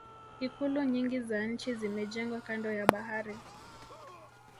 ikulu nyingi za nchi zimejengwa kando ya bahari